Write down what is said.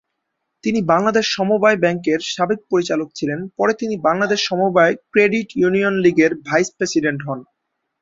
তিনি বাংলাদেশ সমবায় ব্যাংকের সাবেক পরিচালক ছিলেন, পরে তিনি "বাংলাদেশ সমবায় ক্রেডিট ইউনিয়ন লীগের" ভাইস প্রেসিডেন্ট হন।